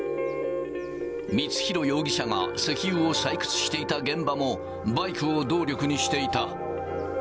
光弘容疑者が石油を採掘していた現場も、バイクを動力にしていた。